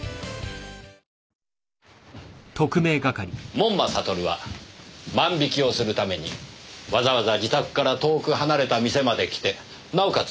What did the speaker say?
門馬悟は万引きをするためにわざわざ自宅から遠く離れた店まで来てなおかつ